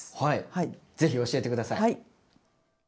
ぜひ教えて下さい。